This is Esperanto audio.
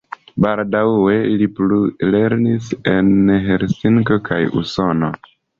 Baldaŭe li plulernis en Helsinko kaj Usono.